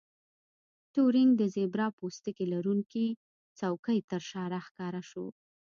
ټورینګ د زیبرا پوستکي لرونکې څوکۍ ترشا راښکاره شو